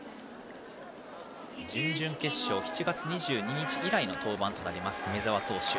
準々決勝７月２２日以来の登板となります、梅澤投手。